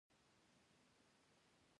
او حق یې وپیژني.